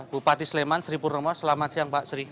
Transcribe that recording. bupati sleman sri purnomo selamat siang pak sri